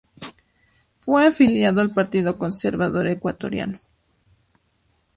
Fue afiliado al Partido Conservador Ecuatoriano.